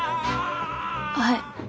はい。